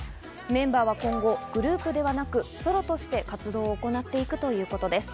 メンバーは今後グループではなく、ソロとして活動を行っていくということです。